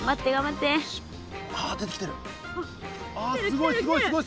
あすごいすごいすごい！